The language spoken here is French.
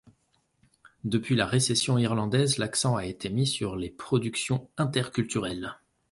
Depuis la récession irlandaise, l'accent a été mis sur les productions interculturelles.